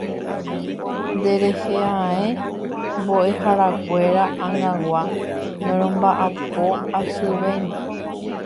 Nderehe ae mbo'eharakuéra ag̃agua noromba'apo asyvéima